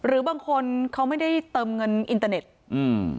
หรือบางคนเขาไม่ได้เติมเงินอินเตอร์เน็ตอืม